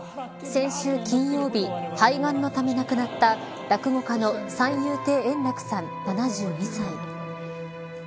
先週金曜日肺がんのため亡くなった落語家の三遊亭円楽さん７２歳。